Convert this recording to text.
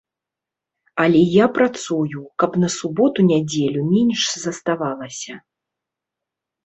Але я працую, каб на суботу-нядзелю менш заставалася.